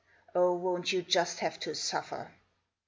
Oh, won't you just have to suffer